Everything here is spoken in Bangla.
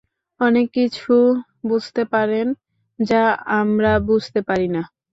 অনেক কিছু বুঝতে পারেন, যা আমরা বুঝতে পারি না।